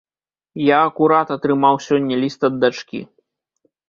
Я акурат атрымаў сёння ліст ад дачкі.